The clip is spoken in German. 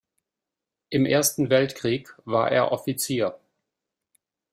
Im Ersten Weltkrieg war er Offizier.